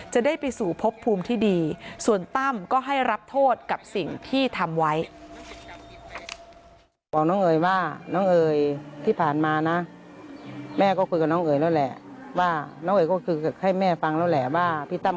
จะได้ไปสู่พบภูมิที่ดีส่วนตั้มก็ให้รับโทษกับสิ่งที่ทำไว้